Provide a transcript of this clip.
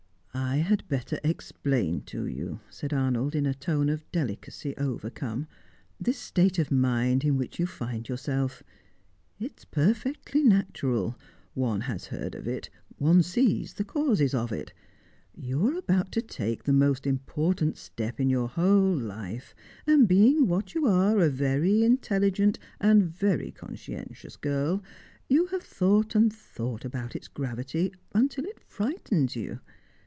"I had better explain to you," said Arnold, in a tone of delicacy overcome, "this state of mind in which you find yourself. It is perfectly natural; one has heard of it; one sees the causes of it. You are about to take the most important step in your whole life, and, being what you are, a very intelligent and very conscientious girl, you have thought and thought about its gravity until it frightens you.